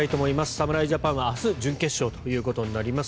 侍ジャパンは明日準決勝となります。